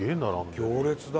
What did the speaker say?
行列だ。